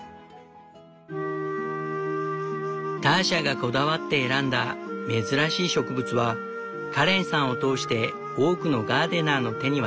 ターシャがこだわって選んだ珍しい植物はカレンさんを通して多くのガーデナーの手に渡った。